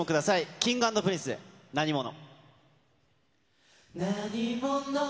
Ｋｉｎｇ＆Ｐｒｉｎｃｅでなにもの。